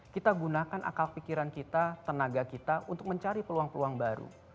kita gunakan akal pikiran kita tenaga kita untuk mencari peluang peluang baru